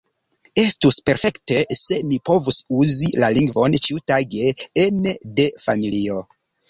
Estus perfekte se mi povus uzi la lingvon ĉiutage ene de familio.